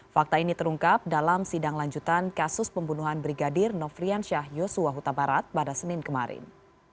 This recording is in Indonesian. fakta ini terungkap dalam sidang lanjutan kasus pembunuhan brigadir nofrian syah yosua huta barat pada senin kemarin